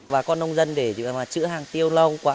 bà con nông dân để chữa hàng tiêu lâu quá